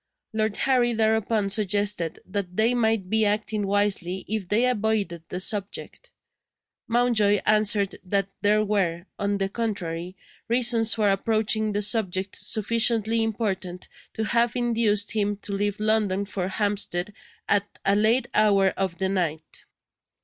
Lord Harry thereupon suggested that they might be acting wisely if they avoided the subject. Mountjoy answered that there were, on the contrary, reasons for approaching the subject sufficiently important to have induced him to leave London for Hampstead at a late hour of the night.